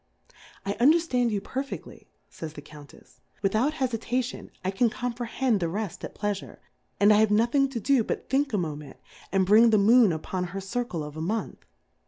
I underfland you perfeftly, fays the Cotmtefs^ without Hefitation, I can comprehend the reft at Pleafure, and I have nothing to do but thiiik a Mo ment, and bring the Moon upon her Circle of a Month.